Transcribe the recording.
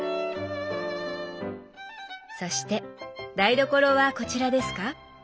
そして台所はこちらですか？